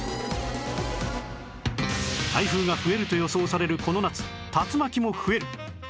台風が増えると予想されるこの夏竜巻も増える！